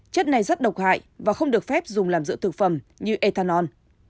chất này rất độc hại và không được phép dùng làm dựa thực phẩm như ethanol